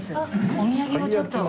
お土産をちょっと。